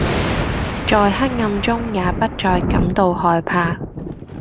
在黑暗中也不再感到害怕